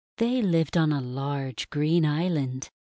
They lived on a large green island.